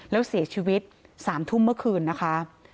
แล้วเสียชีวิต๓ทุ่มเมื่อคืนนะคะ